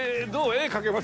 絵描けます？」